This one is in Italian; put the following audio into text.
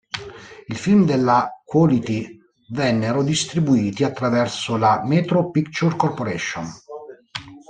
I film della Quality vennero distribuiti attraverso la Metro Pictures Corporation.